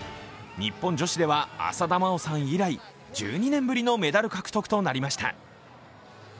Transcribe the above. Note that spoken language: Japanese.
日本女子では、浅田真央さん以来１２年ぶりのメダル獲得となりました。